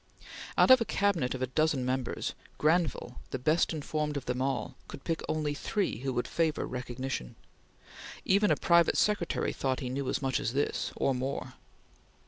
Out of a Cabinet of a dozen members, Granville, the best informed of them all, could pick only three who would favor recognition. Even a private secretary thought he knew as much as this, or more.